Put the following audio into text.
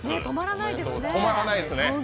止まらないですね。